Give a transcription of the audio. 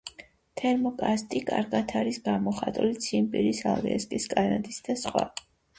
თერმოკარსტი კარგად არის გამოხატული ციმბირის, ალასკის, კანადისა და სხვა.